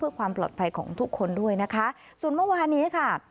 เพื่อความปลอดภัยของทุกคนด้วยนะคะส่วนเมื่อวานี้ค่ะ